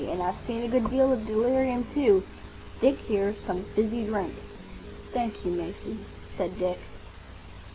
And I've seen a good deal of delirium, too.—Dick, here's some fizzy drink." "Thank you, Maisie," said Dick.